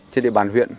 trên địa bàn huyện